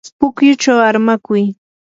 pukyuchaw armakuy.